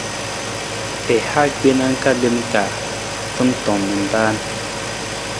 I ha gbena ka lem ka tantong na raan.